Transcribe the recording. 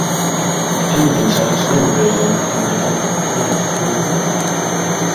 In the winter, snowmobiling can be done on trails through the park.